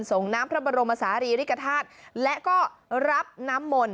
ส่งน้ำพระบรมศาลีริกฐาตุและก็รับน้ำมนต์